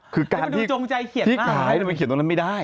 คือการที่ขายแล้วไปเขียนตรงนั้นไม่ได้